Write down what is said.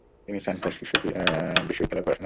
তিনি San Francisco বিশ্ববিদ্যালয়ে পড়াশোনা করেন।